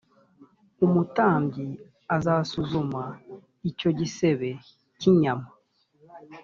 umutambyi azasuzuma icyo gisebe cy’inyama